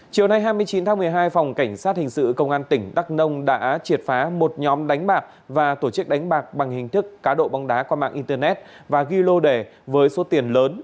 chiều nay hai mươi chín tháng một mươi hai phòng cảnh sát hình sự công an tỉnh đắk nông đã triệt phá một nhóm đánh bạc và tổ chức đánh bạc bằng hình thức cá độ bóng đá qua mạng internet và ghi lô đề với số tiền lớn